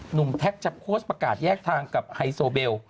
แท็กจะโพสต์ประกาศแยกทางกับไฮโซเบล